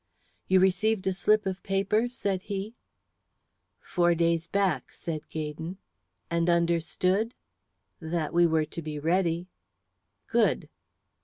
"You received a slip of paper?" said he. "Four days back," said Gaydon. "And understood?" "That we were to be ready." "Good."